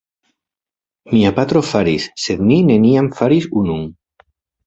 Mia patro faris, sed mi neniam faris unun.